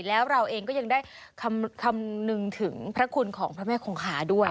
แล้วเราเองก็ยังได้คำนึงถึงพระคุณของพระแม่คงคาด้วย